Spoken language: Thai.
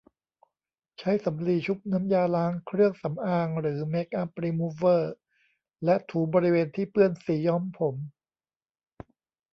ใช้สำลีชุบน้ำยาล้างเครื่องสำอางหรือเมคอัพรีมูฟเวอร์ และถูบริเวณที่เปื้อนสีย้อมผม